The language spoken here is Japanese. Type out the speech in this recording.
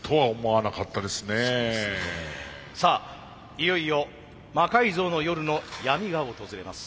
いよいよ「魔改造の夜」の闇が訪れます。